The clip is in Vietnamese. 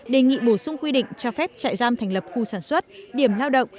đề nghị bổ sung quy định cho phép trại giam thành lập khu sản xuất điểm lao động